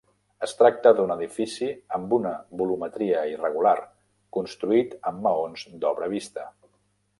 Es tracta d’un edifici amb una volumetria irregular, construït amb maons d’obra vista.